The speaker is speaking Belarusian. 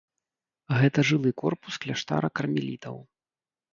Гэта жылы корпус кляштара кармелітаў.